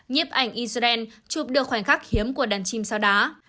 nhếp ảnh israel chụp được khoảnh khắc hiếm của đàn chim sao đá